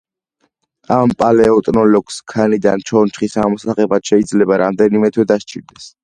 ამ პალეონტოლოგს ქანიდან ჩონჩხის ამოსაღებად შეიძლება რამდენიმე თვე დასჭირდება.